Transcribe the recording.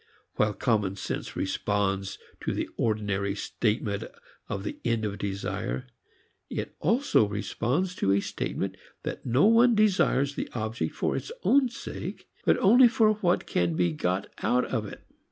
While common sense responds to the ordinary statement of the end of desire, it also responds to a statement that no one desires the object for its own sake, but only for what can be got out of it.